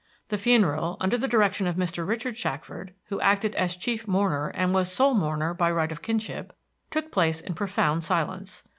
The funeral, under the direction of Mr. Richard Shackford, who acted as chief mourner and was sole mourner by right of kinship, took place in profound silence.